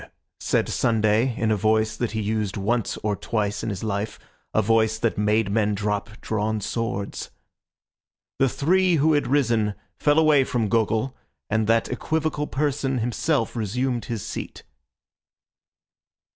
said Sunday in a voice that he used once or twice in his life, a voice that made men drop drawn swords. The three who had risen fell away from Gogol, and that equivocal person himself resumed his seat.